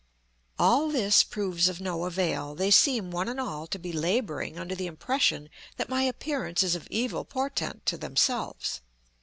All this proves of no avail; they seem one and all to be laboring under the impression that my appearance is of evil portent to themselves.